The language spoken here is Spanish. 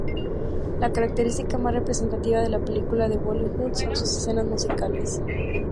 La característica más representativa de las películas de Bollywood son sus escenas musicales.